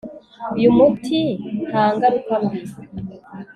uyu muti nta ngaruka mbi